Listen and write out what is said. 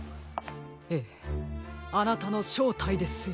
ええあなたのしょうたいですよ。